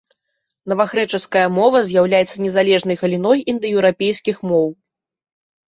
Навагрэчаская мова з'яўляецца незалежнай галіной індаеўрапейскіх моў.